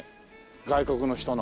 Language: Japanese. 外国の人の。